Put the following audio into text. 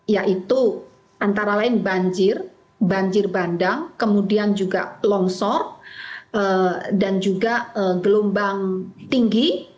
yaitu antara lain banjir banjir bandang kemudian juga longsor dan juga gelombang tinggi